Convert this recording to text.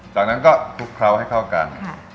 จากนั้นก็คลุกเคล้าให้เข้ากัน